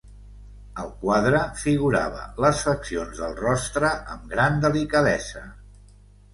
El quadre figurava les faccions del rostre amb gran delicadesa.